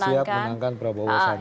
siap menangkan prabowo sandi